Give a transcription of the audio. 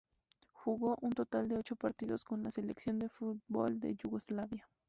Jugó un total de ocho partidos con la selección de fútbol de Yugoslavia.